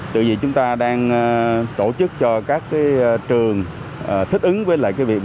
tại vì chúng ta đang tổ chức cho các trường thích ứng với việc